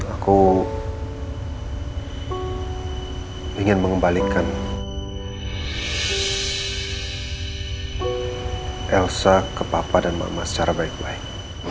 aku ingin mengembalikan elsa ke papa dan mama secara baik baik